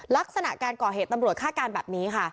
ลักษณะการก่อเหตุตำรวจคาดการณ์แบบนี้ค่ะ